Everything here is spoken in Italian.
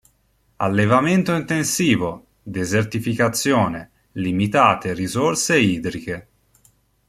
Allevamento intensivo; desertificazione; limitate risorse idriche.